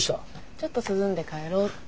ちょっと涼んで帰ろうって。